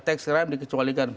tax crime dikecualikan